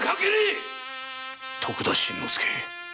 徳田新之助